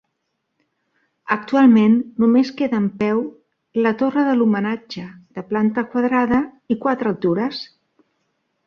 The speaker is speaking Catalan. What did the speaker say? Actualment només queda en peu la torre de l'homenatge, de planta quadrada i quatre altures.